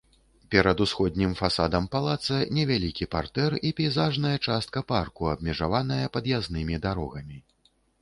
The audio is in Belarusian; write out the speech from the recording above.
Перад усходнім фасадам палаца невялікі партэр і пейзажная частка парку, абмежаваная пад'язнымі дарогамі.